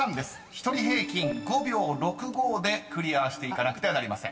［１人平均５秒６５でクリアしていかなくてはなりません］